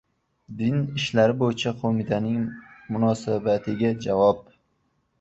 Din ishlari bo‘yicha qo‘mitaning munosabatiga javob